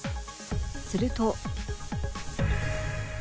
すると